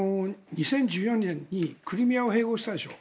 ２０１４年にクリミアを併合したでしょ。